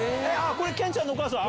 これ健ちゃんのお母さん？